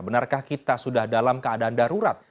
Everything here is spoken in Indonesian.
benarkah kita sudah dalam keadaan darurat